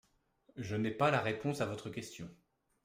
Je n’ai pas la réponse à votre question.